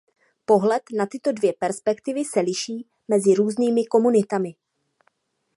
Pohled na tyto dvě perspektivy se liší mezi různými komunitami.